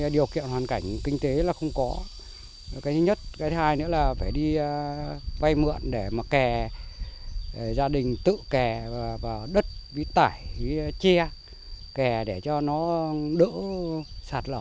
đất vít tải che kè để cho nó đỡ sạt lở